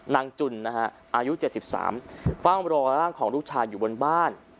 นางจุนอายุ๗๓ฟังรอร่างของลูกชายอยู่บนบ้าน